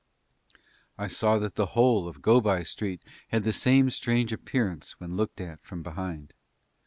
I saw that the whole of Go by Street had the same strange appearance when looked at from behind.